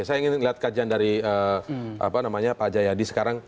saya ingin lihat kajian dari pak jayadi sekarang